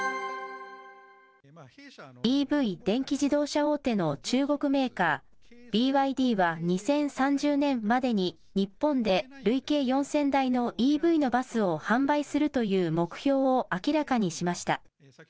ＥＶ・電気自動車大手の中国メーカー、ＢＹＤは２０３０年までに、日本で累計４０００台のＥＶのバスを販売するという目標を明らかにしました。